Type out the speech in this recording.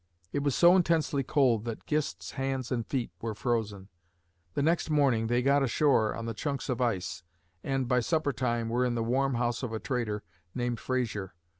It was so intensely cold that Gist's hands and feet were frozen. The next morning, they got ashore on the chunks of ice and by suppertime were in the warm house of a trader named Frazier.